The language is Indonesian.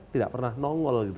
tidak pernah nongol gitu